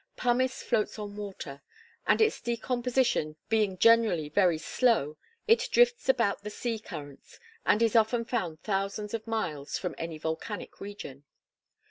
Pumice floats on water, and its decomposition being generally very slow, it drifts about the sea currents, and is often found thousands of miles from any volcanic region.